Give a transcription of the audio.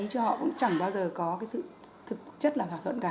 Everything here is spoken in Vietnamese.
chứ họ cũng chẳng bao giờ có cái sự thực chất là thỏa thuận cả